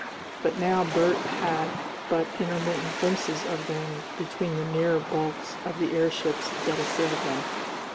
But now Bert had but intermittent glimpses of them between the nearer bulks of the airships that assailed them....